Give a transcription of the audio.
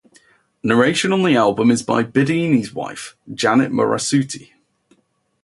Narration on the album is by Bidini's wife, Janet Morassutti.